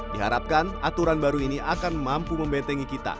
diharapkan aturan baru ini akan mampu membentengi kita